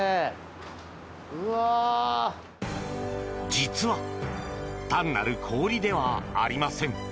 実は単なる氷ではありません。